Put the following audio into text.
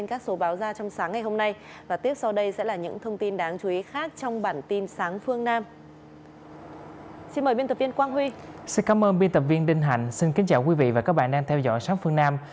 cảm ơn biên tập viên đinh hạnh xin kính chào quý vị và các bạn đang theo dõi sáng phương nam